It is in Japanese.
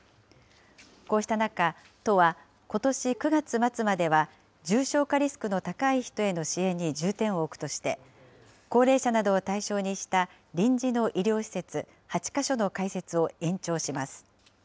こうした中、都はことし９月末までは、重症化リスクの高い人への支援に重点を置くとして、高齢者などを対象にした臨時の医療施設８か所の開設を延長します。